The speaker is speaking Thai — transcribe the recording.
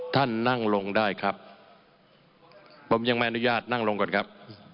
ท่านนั่งลงได้ครับผมยังไม่อนุญาตนั่งลงก่อนครับ